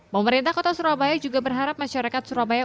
pemerintah kota surabaya juga berharap masyarakat surabaya